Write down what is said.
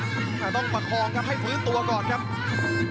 คุณงานก็ต้องปะคองครับให้ฟื้นตัวก่อนครับ